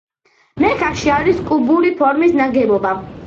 მექაში არის კუბური ფორმის ნაგებობა.